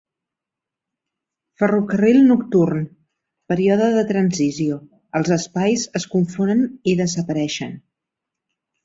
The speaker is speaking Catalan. Ferrocarril nocturn, període de transició, els espais es confonen i desapareixen.